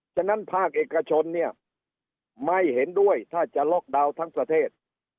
ฉะนั้นภาคเอกชนเนี่ยไม่เห็นด้วยถ้าจะล็อกดาวน์ทั้งประเทศ